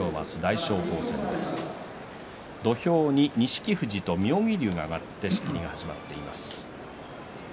土俵に錦富士と妙義龍が上がって仕切りが始まっています。